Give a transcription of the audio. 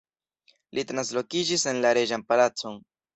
Li translokiĝis en la reĝan palacon.